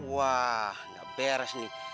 wah gak beres nih